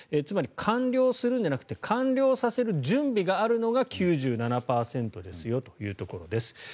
つまり、完了するのではなくて完了させる準備があるのが９７％ですよというところです。